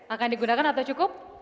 akan digunakan atau cukup